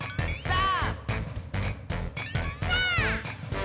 さあ！